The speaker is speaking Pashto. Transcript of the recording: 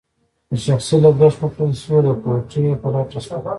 د شخصي لګښت په پیسو د کوټې په لټه شوم.